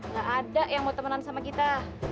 gak ada yang mau temenan sama kita